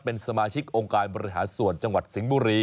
เป็นสมาชิกองค์การบริหารส่วนจังหวัดสิงห์บุรี